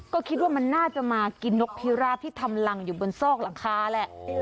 ก็คิดว่ามันน่าจะมากินนกพิราบที่ทำรังอยู่บนซอกหลังคาแหละ